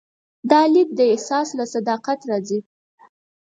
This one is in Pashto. دا لید د احساس له صداقت راځي.